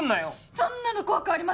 そんなの怖くありません！